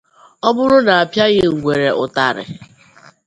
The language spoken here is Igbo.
Ọ bụrụ na a pịaghị ngwere ụtarị